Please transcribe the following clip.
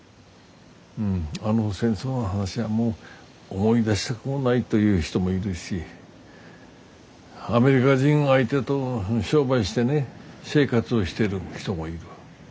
うんあの戦争の話はもう思い出したくもないという人もいるしアメリカ人相手と商売してね生活をしてる人もいる。